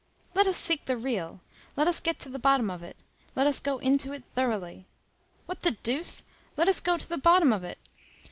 Let us seek the real. Let us get to the bottom of it. Let us go into it thoroughly. What the deuce! let us go to the bottom of it!